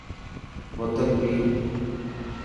بوتل پئي.